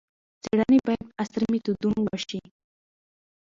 څېړنې باید په عصري میتودونو وشي.